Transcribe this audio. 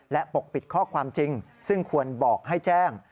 และปกปิดข้อความจริงซึ่งควรบอกให้แจ้ง